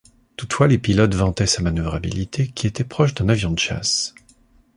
Toutefois les pilotes vantaient sa manœuvrabilité qui était proche d'un avion de chasse.